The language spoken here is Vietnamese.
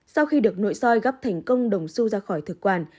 sau khi được nội soi gấp thành công đồng su ra khỏi thực quản